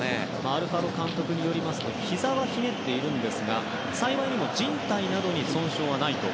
アルファロ監督によりますとひざはひねっているんですが幸いにも、じん帯などに損傷はないと。